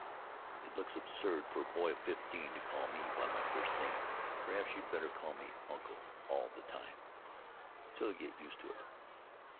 It looks absurd for a boy of fifteen to call me by my first name. Perhaps you'd better call me 'Uncle' all the time, so you'll get used to it."